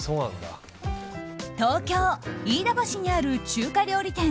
東京・飯田橋にある中華料理店